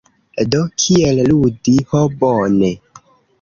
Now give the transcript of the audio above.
Do. "Kiel ludi". Ho bone.